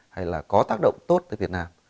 hay là có tác động tốt tới việt nam